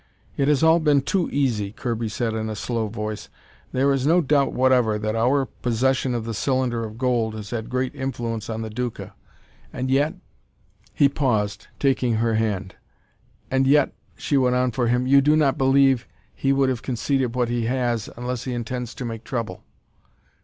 "It has all been too easy," Kirby said in a slow voice. "There is no doubt whatever that our possession of the cylinder of gold has had great influence on the Duca, and yet " He paused, taking her hand. "And yet," she went on for him, "you do not believe he would have conceded what he has, unless he intends to make trouble?"